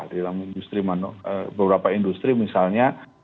dalam industri beberapa industri misalnya